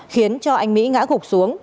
khiến cho anh mỹ ngã gục xuống